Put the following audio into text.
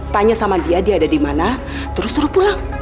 tanya sama dia dia ada di mana terus terus pulang